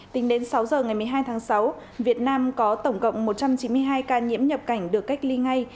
tính đến sáu giờ ngày một mươi hai tháng sáu việt nam có tổng cộng một trăm chín mươi hai ca nhiễm nhập cảnh được cách ly ngay